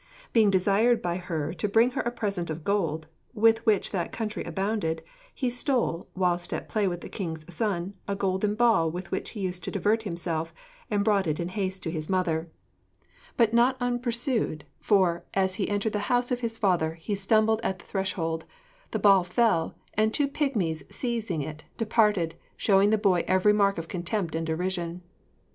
Being desired by her to bring her a present of gold, with which that country abounded, he stole, whilst at play with the king's son, a golden ball with which he used to divert himself, and brought it in haste to his mother, but not unpursued; for, as he entered the house of his father, he stumbled at the threshold;' the ball fell, 'and two pigmies seizing it, departed, showing the boy every mark of contempt and derision.